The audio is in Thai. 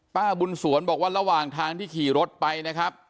ป้าบุญสวนบอกว่าระหว่างทางที่ขี่รถไปนะครับ